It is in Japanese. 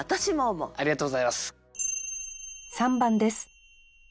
ありがとうございます。